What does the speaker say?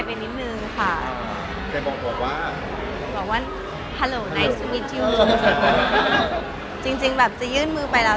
เป็นนิดนึงค่ะใครบอกผมว่าบอกว่าฮัลโหลจริงจริงแบบจะยื่นมือไปแล้ว